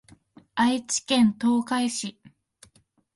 愛知県東海市